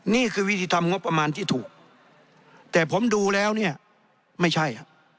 นี่คือวิธีทำงบประมาณที่ถูกแต่ผมดูแล้วเนี่ยไม่ใช่